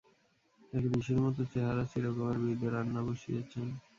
এক ঋষির মতো চেহারার চিরকুমার বৃদ্ধ রান্না বসিয়েছেন।